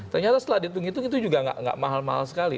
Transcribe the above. ternyata setelah dihitung hitung itu juga nggak mahal mahal sekali